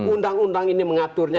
undang undang ini mengaturnya